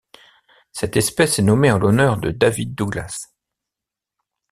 Cette espèce est nommée en l'honneur de David Douglas.